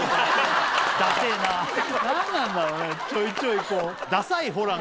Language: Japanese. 何なんだろうねちょいちょい。